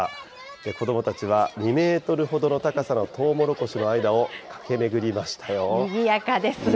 子どもたちは２メートルほどの高さのトウモロコシの間を駆け巡りにぎやかですね。